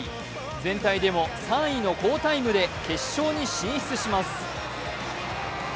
全体でも３位の好タイムで決勝に進出します。